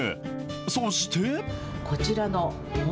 そして。